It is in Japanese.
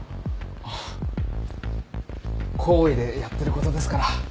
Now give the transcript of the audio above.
あっ好意でやってることですから。